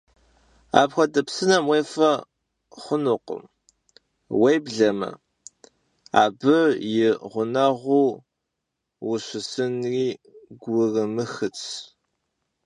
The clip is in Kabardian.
Apxuede psınem vuêfe xhunukhım, vuêbleme abı yi ğuneğuu vuşısınri gurımıxıts.